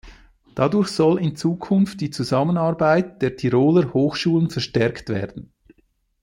Dadurch soll in Zukunft die Zusammenarbeit der Tiroler Hochschulen verstärkt werden.